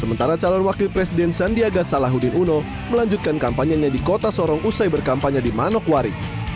sementara calon wakil presiden sandiaga salahuddin uno melanjutkan kampanye nya di kota sorong usai berkampanye di manokwari